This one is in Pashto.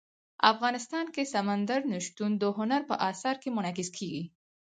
افغانستان کې سمندر نه شتون د هنر په اثار کې منعکس کېږي.